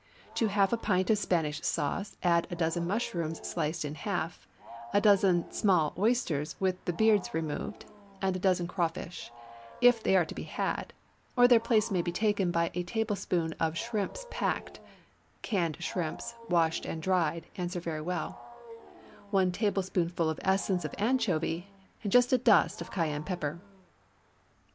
To half a pint of Spanish sauce add a dozen mushrooms sliced in half, a dozen small oysters with the beards removed, and a dozen crawfish, if they are to be had, or their place may be taken by a tablespoonful of shrimps picked (canned shrimps, washed and dried, answer very well), one tablespoonful of essence of anchovy, and just a dust of Cayenne pepper.